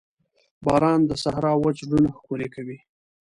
باران د صحرا وچ زړونه ښکلي کوي.